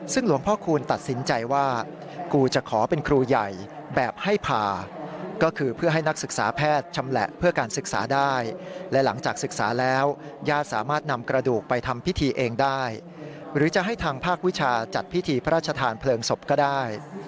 ซึ่งหลวงพ่อคูณตัดสินใจว่ากูจะขอเป็นครูใหญ่แบบให้ผ่าก็คือเพื่อให้นักศึกษาแพทย์ชำแหละเพื่อการศึกษาได้และหลังจากศึกษาแล้วญาติสามารถนำกระดูกไปทำพิธีเองได้หรือจะให้ทางภาควิชาจัดพิธีพระราชทานเพลิงศพก็ได้